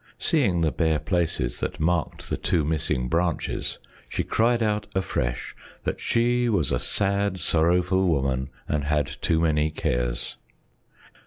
Seeing the bare places that marked the two missing branches, she cried out afresh that she was a sad, sorrowful woman and had too many cares.